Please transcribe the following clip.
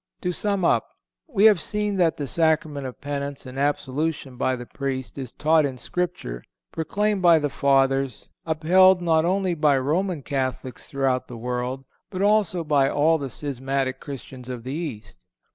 To sum up: We have seen that the Sacrament of Penance and absolution by the Priest is taught in Scripture, proclaimed by the Fathers, upheld not only by Roman Catholics throughout the world, but also by all the schismatic Christians of the East.